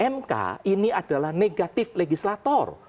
mk ini adalah negatif legislator